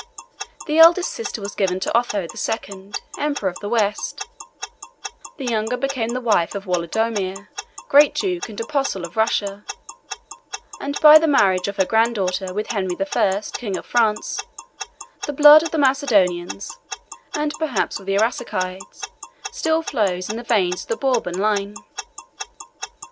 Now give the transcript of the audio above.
The eldest sister was given to Otho the Second, emperor of the West; the younger became the wife of Wolodomir, great duke and apostle of russia, and by the marriage of her granddaughter with Henry the First, king of France, the blood of the Macedonians, and perhaps of the Arsacides, still flows in the veins of the Bourbon line.